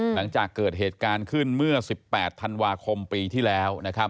หลังจากเกิดเหตุการณ์ขึ้นเมื่อ๑๘ธันวาคมปีที่แล้ว